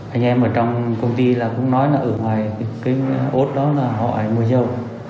anh em ở trong công ty là cũng nói là ở ngoài cái ốt đó là họ mua dầu